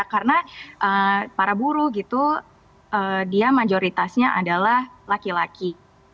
karena para buruh gitu dia mayoritasnya adalah laki laki